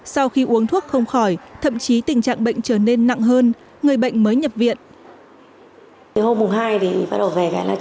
sau khi uống thuốc không khỏi thậm chí tình trạng bệnh trở nên nặng hơn người bệnh mới nhập viện